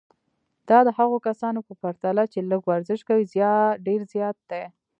دا د هغو کسانو په پرتله چې لږ ورزش کوي ډېر زیات دی.